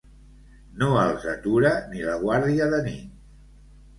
No els atura ni la Guàrdia de Nit.